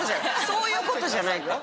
そういう事じゃないよ。